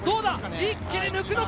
一気に抜くのか？